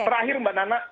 terakhir mbak nana